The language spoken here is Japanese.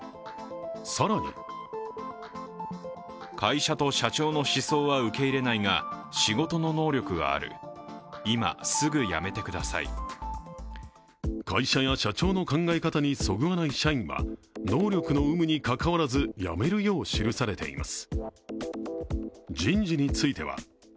更に会社や社長の考え方にそぐわない社員は能力の有無にかかわらず辞めるよう記されています。